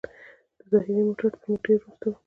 د زاهدي موټر تر موږ ډېر وروسته و.